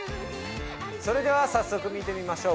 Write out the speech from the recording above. それでは早速見てみましょう。